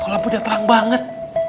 oh lampunya terang banget